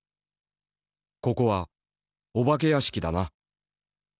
「ここはお化け屋敷だな」。